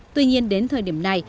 tuy nhiên đến thời điểm này